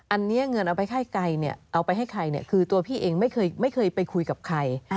อันนี้เงินเอาไปค่ายไกลเนี่ยเอาไปให้ใครเนี่ยคือตัวพี่เองไม่เคยไปคุยกับใคร